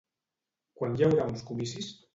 Quan hi haurà uns comicis?